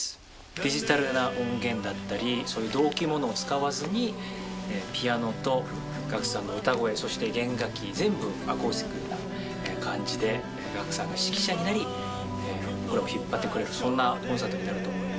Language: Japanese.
デジタルな音源だったり同期ものを使わずにピアノとがくさんの歌声そして弦楽器全部アコースティックな感じでがくさんが指揮者になり僕らを引っ張ってくれるそんなコンサートになると思います。